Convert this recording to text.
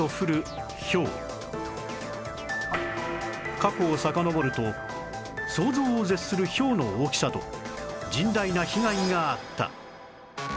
過去をさかのぼると想像を絶するひょうの大きさと甚大な被害があった